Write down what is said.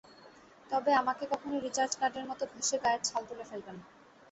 তবে আমাকে কখনো রিচার্জ কার্ডের মতো ঘষে গায়ের ছাল তুলে ফেলবেন না।